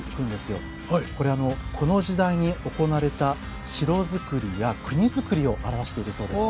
これこの時代に行われた城づくりや国造りを表しているそうです。